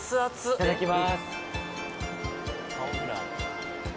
いただきます